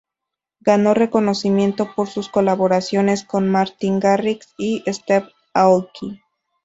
Ganó reconocimiento por sus colaboraciones con Martin Garrix y Steve Aoki.